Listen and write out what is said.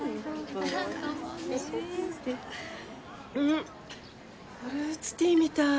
んフルーツティーみたい。